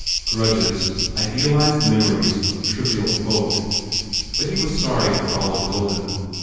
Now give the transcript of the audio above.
Grudges, idealized memories of trivial folk. But he was sorry for Olive Ilden.